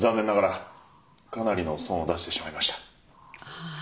ああ。